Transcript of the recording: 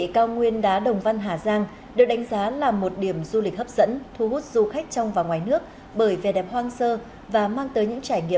các bạn hãy đăng ký kênh để ủng hộ kênh của chúng mình nhé